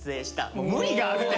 もう無理があるて！